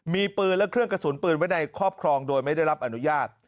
มีปืนและเครื่องกระสุนปืนไว้ในครอบครองโดยไม่ได้รับอนุญาต